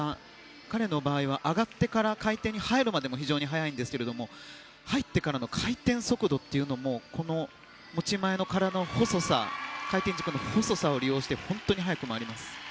彼の場合は上がってから回転に入るまでも非常に速いんですけど入ってからの回転速度もこの持ち前の体の細さ回転軸の細さを利用して本当に速く回ります。